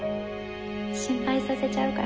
心配させちゃうから。